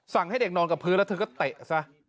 ให้เด็กนอนกับพื้นแล้วเธอก็เตะซะ